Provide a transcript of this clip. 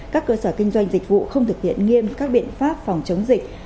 các cơ sở kinh doanh dịch vụ không thực hiện nghiêm các biện pháp phòng chống dịch